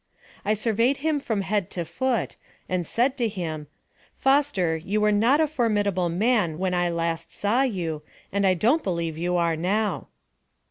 I surveyed him from head to foot, and said to him, "Foster, you were not a formidable man when I last knew you, and I don't believe you are now."